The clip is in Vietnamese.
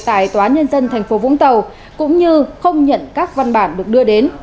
tại tòa nhân dân tp vũng tàu cũng như không nhận các văn bản được đưa đến